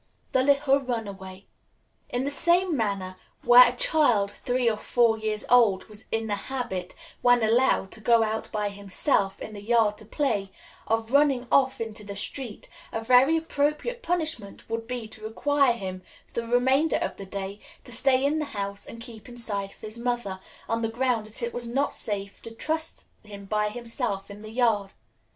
The Little Runaway. In the same manner, where a child three or four years old was in the habit, when allowed to go out by himself in the yard to play, of running off into the street, a very appropriate punishment would be to require him, for the remainder of the day, to stay in the house and keep in sight of his mother, on the ground that it was not safe to trust him by himself in the yard.